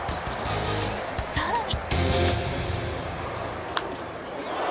更に。